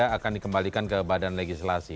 akan dikembalikan ke badan legislasi